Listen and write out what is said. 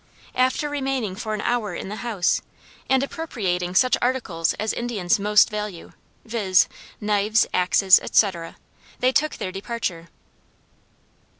After remaining for an hour in the house, and appropriating such articles as Indians most value, viz., knives, axes, etc., they took their departure.